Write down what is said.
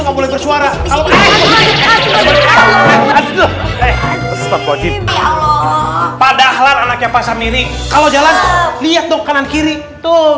nggak boleh bersuara padahal anaknya pasang miring kalau jalan lihat dong kanan kiri tuh